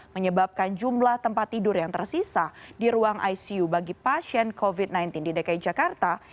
menyebabkan jumlah tempat tidur yang tersisa di ruang icu bagi pasien covid sembilan belas di dki jakarta